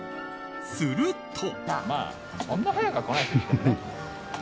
すると。